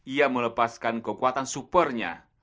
ia melepaskan kekuatan supernya